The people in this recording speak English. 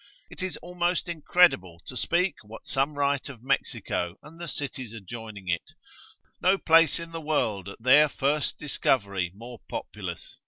It is almost incredible to speak what some write of Mexico and the cities adjoining to it, no place in the world at their first discovery more populous, Mat.